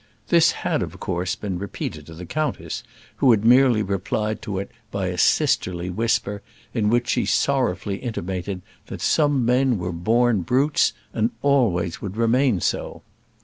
This had of course been repeated to the countess, who had merely replied to it by a sisterly whisper, in which she sorrowfully intimated that some men were born brutes, and always would remain so.